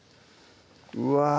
うわ